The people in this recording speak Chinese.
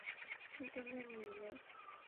渝州是隋朝时设置的州。